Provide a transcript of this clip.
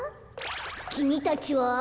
きみたちは？